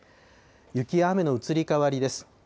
雪や雨の移り変わりです。